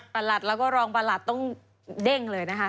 แล้วก็รองประหลัดต้องเด้งเลยนะคะ